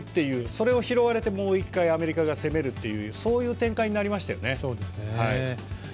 それを拾われて、もう１回アメリカが攻めるっていう展開になりましたよね。